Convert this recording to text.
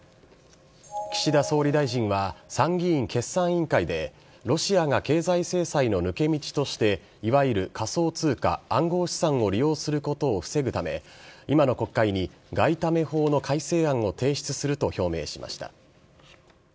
岸田総理大臣は、参議院決算委員会で、ロシアが経済制裁の抜け道として、いわゆる仮想通貨・暗号資産を利用することを防ぐため、今の国会に外為法の改正案を提出すると表明しました。